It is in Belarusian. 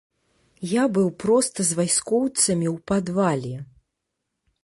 Я быў проста з вайскоўцамі ў падвале.